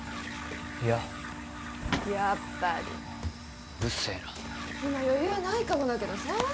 いややっぱりうるせえな今余裕ないかもだけどさ